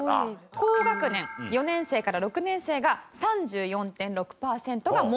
高学年４年生から６年生が３４．６パーセントが「持ってる」です。